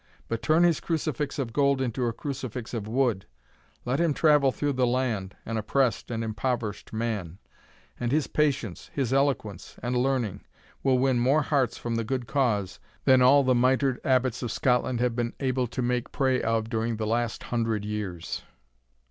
But turn his crucifix of gold into a crucifix of wood let him travel through the land, an oppressed and impoverished man, and his patience, his eloquence, and learning, will win more hearts from the good cause, than all the mitred abbots of Scotland have been able to make prey of during the last hundred years."